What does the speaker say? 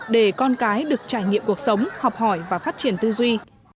để con cái được trải nghiệm cuộc sống học hỏi và phát triển tư duy